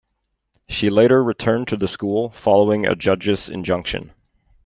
She later returned to the school following a judge's injunction.